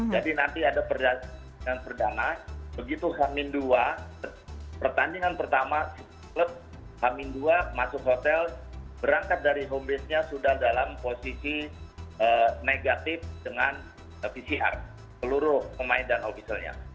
jadi nanti ada pertandingan pertama begitu hamin dua pertandingan pertama klub hamin dua masuk hotel berangkat dari home base nya sudah dalam posisi negatif dengan pcr seluruh pemain dan officlenya